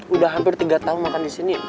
udah hampir tiga tahun makan disini